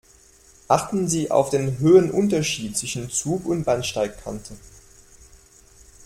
Achten Sie auf den Höhenunterschied zwischen Zug und Bahnsteigkante.